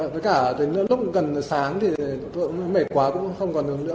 với cả đến lúc gần sáng thì tôi cũng mệt quá cũng không còn hướng nữa